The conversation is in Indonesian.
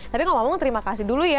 tapi kalau ngomong terima kasih dulu ya